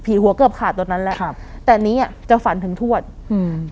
หัวเกือบขาดตอนนั้นแล้วครับแต่อันนี้อ่ะจะฝันถึงทวดอืม